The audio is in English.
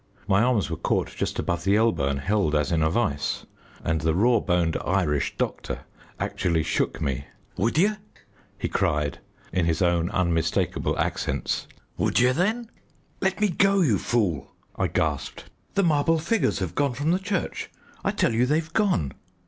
My arms were caught just above the elbow and held as in a vice, and the raw boned Irish doctor actually shook me. "Would ye?" he cried, in his own unmistakable accents "would ye, then?" "Let me go, you fool," I gasped. "The marble figures have gone from the church; I tell you they've gone."